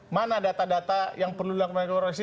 mana data data yang perlu dikoreksi